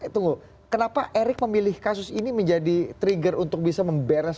tunggu kenapa erick memilih kasus ini menjadi trigger untuk bisa memberes